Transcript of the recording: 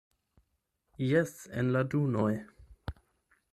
Jes, en la dunoj!